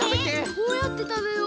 どうやってたべよう。